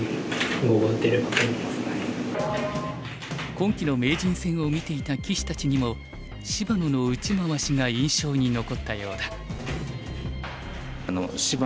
今期の名人戦を見ていた棋士たちにも芝野の打ち回しが印象に残ったようだ。